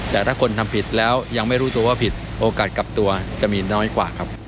แต่ถ้าคนทำผิดแล้วยังไม่รู้ตัวว่าผิดโอกาสกลับตัวจะมีน้อยกว่าครับ